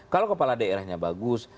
kalau kepala daerahnya bagus